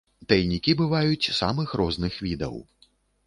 Тайнікі бываюць самых розных відаў.